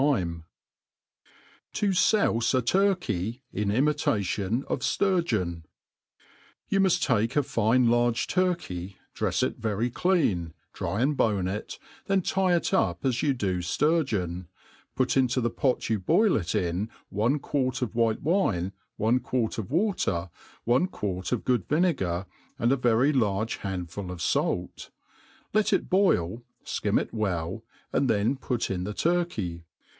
•%» •I a6+ THE ART OF COOKERY 7i Soufe a Turkeyj in imitation of Sturgeon* YOU muft take a fine large turkey, drefs it very clean,' dry and bone it, then tie it up as you do (lurgeon, put into the pot you boil it in one quart of white wine, one quart of water, one Juart of good vinegar, a very large handful of fait; let it boi),| :im it well, an(i then pu( in the turkey.